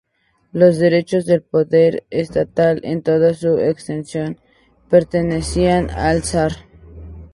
Los derechos del poder estatal en toda su extensión pertenecían al zar.